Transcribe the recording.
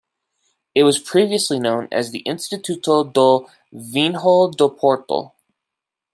It was previously known as the Instituto do Vinho do Porto.